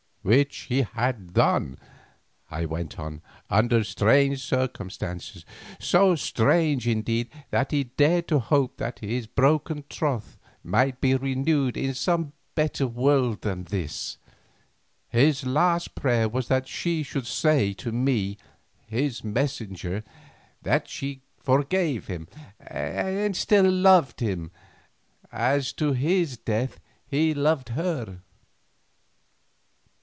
"Which he had done," I went on, "under strange circumstances, so strange indeed that he dared to hope that his broken troth might be renewed in some better world than this. His last prayer was that she should say to me, his messenger, that she forgave him and still loved him, as to his death he loved her."